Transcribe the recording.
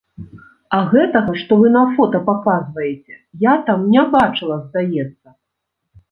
А гэтага, што вы на фота паказваеце, я там не бачыла, здаецца.